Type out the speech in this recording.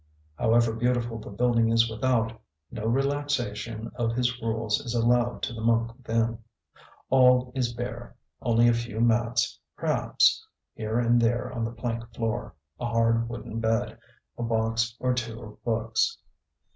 However beautiful the building is without, no relaxation of his rules is allowed to the monk within. All is bare: only a few mats, perhaps, here and there on the plank floor, a hard wooden bed, a box or two of books.